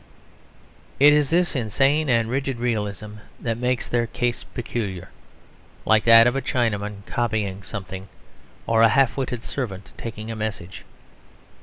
It is this insane and rigid realism that makes their case peculiar: like that of a Chinaman copying something, or a half witted servant taking a message.